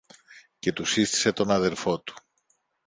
και του σύστησε τον αδελφό του.